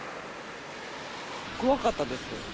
怖かったです。